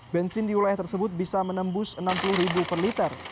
bensin di wilayah tersebut bisa menembus enam puluh per liter